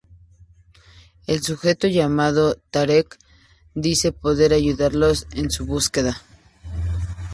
El sujeto, llamado Tarek, dice poder ayudarlos en su búsqueda.